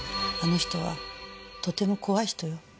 あの人は、とても怖い人よ。